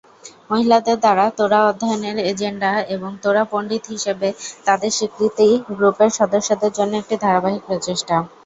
মহিলাদের দ্বারা তোরাহ অধ্যয়নের এজেন্ডা এবং তোরা পণ্ডিত হিসাবে তাদের স্বীকৃতি গ্রুপের সদস্যদের জন্য একটি ধারাবাহিক প্রচেষ্টা।